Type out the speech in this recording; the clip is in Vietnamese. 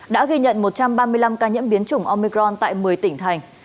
đã ghi nhận một trăm ba mươi năm ca nhiễm biến chủng omicron tại một mươi tỉnh thành